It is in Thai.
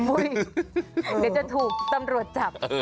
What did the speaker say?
เดี๋ยวจะถูกตำรวจจับ